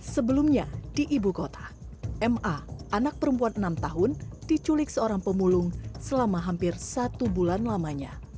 sebelumnya di ibu kota ma anak perempuan enam tahun diculik seorang pemulung selama hampir satu bulan lamanya